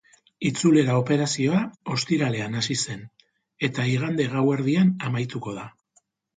Itzulera operazioa ostiralean hasi zen eta igande gauerdian amaituko da.